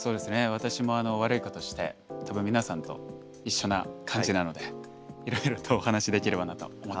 私も悪い子として多分皆さんと一緒な感じなのでいろいろとお話しできればなと思っております。